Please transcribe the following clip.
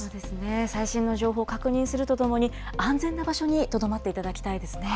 最新の情報を確認するとともに安全な場所にとどまっていただきたいですね。